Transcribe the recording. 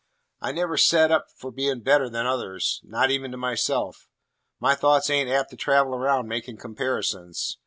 "I never set up for being better than others. Not even to myself. My thoughts ain't apt to travel around making comparisons.